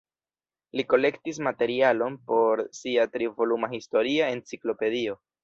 Li kolektis materialon por sia tri voluma historia enciklopedio.